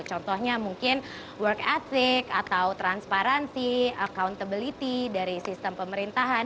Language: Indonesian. contohnya mungkin work ethic atau transparansi accountability dari sistem pemerintahan